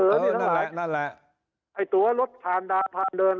อันนี้นั่นแหละนั่นแหละไอ้ตัวรถผ่านด่านผ่านเดิน